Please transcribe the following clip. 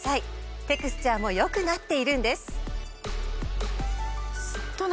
テクスチャーも良くなっているんです。